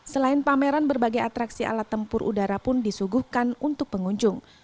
selain pameran berbagai atraksi alat tempur udara pun disuguhkan untuk pengunjung